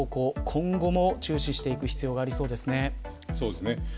今後も注視していく必要がありそうですね。